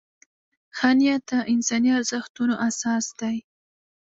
ښه نیت د انساني ارزښتونو اساس دی.